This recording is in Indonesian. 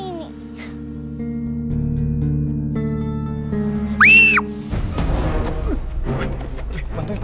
nanti gak mau aja komitmen saya